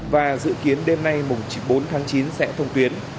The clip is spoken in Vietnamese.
và dự kiến đêm nay bốn tháng chín sẽ thông tuyến